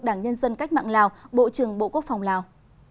đảng nhân dân cách mạng lào bộ trưởng bộ quốc phòng lào